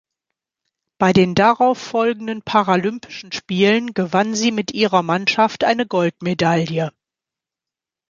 Bei den darauffolgenden Paralympischen Spielen gewann sie mit ihrer Mannschaft eine Goldmedaille.